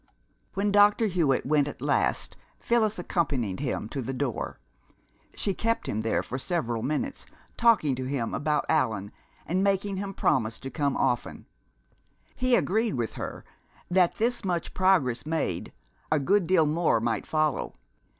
When Dr. Hewitt went at last Phyllis accompanied him to the door. She kept him there for a few minutes, talking to him about Allan and making him promise to come often. He agreed with her that, this much progress made, a good deal more might follow.